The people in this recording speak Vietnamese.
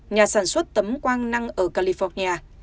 nhà sản xuất tấm quang năng ở california